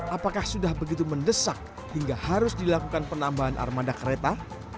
apakah sudah begitu mendesak hingga harus dilakukan penambahan armada kereta